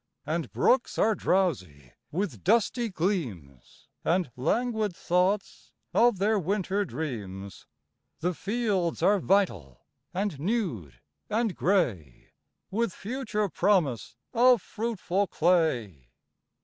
And brooks are drowsy with dusty gleams, And languid thoughts of their winter dreams? The fields are vital, and nude, and gray With future promise of fruitful clay?